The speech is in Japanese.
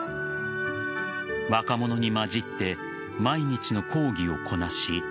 若者にまじって毎日の講義をこなし